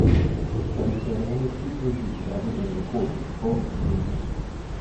But he said only two cases have ever been recorded, both in Queensland.